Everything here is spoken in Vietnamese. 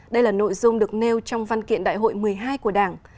đây là nội dung được nêu trong văn kiện đại hội một mươi hai của đảng